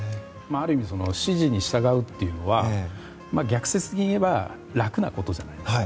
ある意味指示に従うというのは逆説に言えば楽なことじゃないですか。